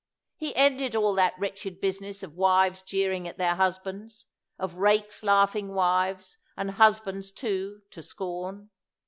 He ended all that wretched business of wives jeering at their hus bands, of rakes laughing wives, and husbands, too, to scorn.